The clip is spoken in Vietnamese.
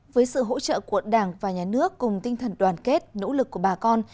với sự hỗ trợ của đảng và nhà nước cùng tinh thần đoàn kết nỗ lực của bà con